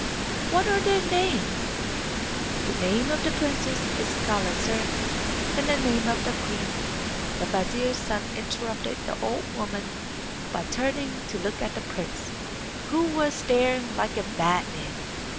"What are their names?" "The name of the princess is Gulizar, and the name of the queen " The vizier's son interrupted the old woman by turning to look at the prince, who was staring like a madman.